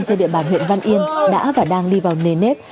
trên địa bàn huyện văn yên đã và đang đi vào nề nếp